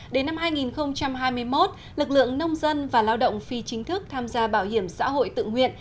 đến năm hai nghìn hai mươi một lực lượng nông dân và lao động phi chính thức tham gia bảo hiểm xã hội tự nguyện